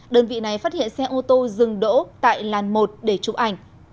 đơn vị này phát hiện xe ô tô dừng đỗ tại làn một để chụp ảnh